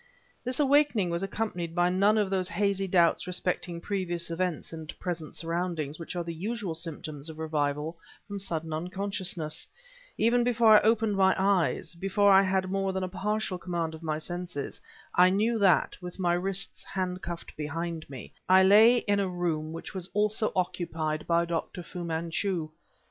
This awakening was accompanied by none of those hazy doubts respecting previous events and present surroundings which are the usual symptoms of revival from sudden unconsciousness; even before I opened my eyes, before I had more than a partial command of my senses, I knew that, with my wrists handcuffed behind me, I lay in a room which was also occupied by Dr. Fu Manchu.